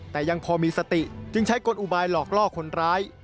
แต่ยังพอมีสติจึงใช้กลอุบายหลอกล่อคนร้าย